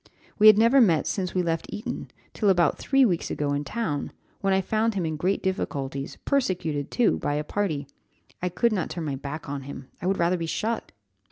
We had never met since we left Eton, till about three weeks ago in town, when I found him in great difficulties, persecuted too, by a party I could not turn my back on him I would rather be shot!"